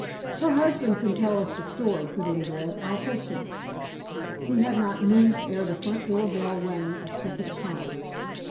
"Her husband can tell us the story," put in Grant. "I'll fetch him." He had not moved ere the front door bell rang a second time.